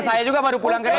saya juga baru pulang gereja